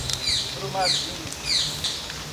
Brumadinho